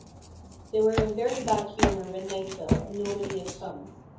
They were in very bad humour when night fell, and nobody had come.